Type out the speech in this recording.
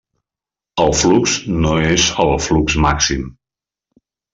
El flux no és el flux màxim.